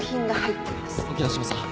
沖野島さん